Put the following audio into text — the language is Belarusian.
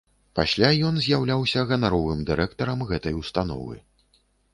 Пасля ён з'яўляўся ганаровым дырэктарам гэтай установы.